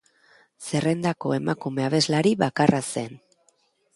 Zerrendako emakume abeslari bakarra zen.